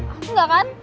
aku gak kan